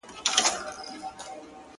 ځكه ځوانان ورانوي ځكه يې زړگي ورانوي